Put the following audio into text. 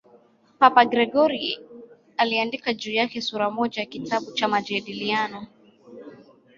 Papa Gregori I aliandika juu yake sura moja ya kitabu cha "Majadiliano".